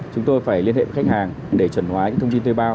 chúng tôi phải liên hệ với khách hàng để chuẩn hóa những thông tin thuê bao